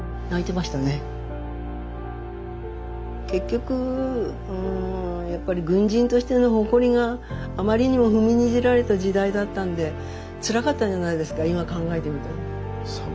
結局軍人としての誇りがあまりにも踏みにじられた時代だったんでつらかったんじゃないですか今考えてみると。